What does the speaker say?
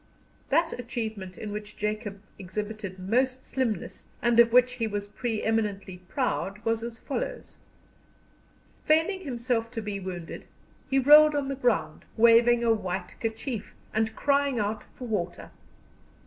That achievement in which Jacob exhibited most slimness, and of which he was pre eminently proud, was as follows: feigning himself to be wounded, he rolled on the ground, waving a white kerchief, and crying out for water.